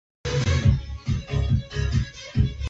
Chưa hết rên đã quên thầy: quá bội bạc, phụ ơn người giúp mình